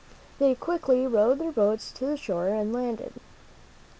They quickly rowed their boats to the shore and landed.